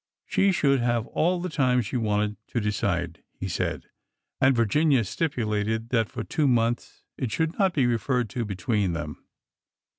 She should have all the time she wanted to decide, he said. And Virginia stipulated that for two months it should not be referred to between them.